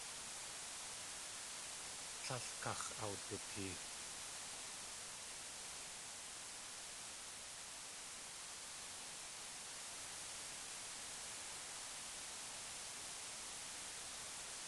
Tlél káx̲ awdatee.